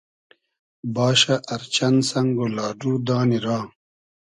باشۂ ار چئن سئنگ و لاۮو دانی را